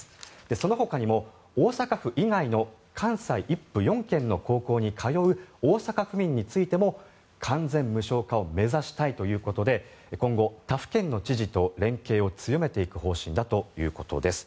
そのほかにも大阪府以外の関西１府４県の高校に通う大阪府民についても完全無償化を目指したいということで今後、他府県の知事と連携を強めていく方針だということです。